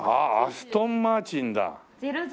ああアストンマーチンだ。